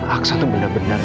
aksan tuh bener bener